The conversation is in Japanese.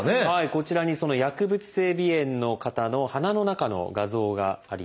こちらにその薬物性鼻炎の方の鼻の中の画像があります。